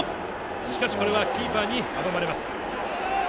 しかしこれはキーパーに阻まれます。